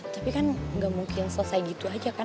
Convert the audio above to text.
tapi kan nggak mungkin selesai gitu aja kan